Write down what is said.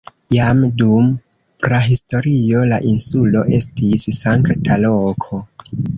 Jam dum prahistorio la insulo estis sankta loko.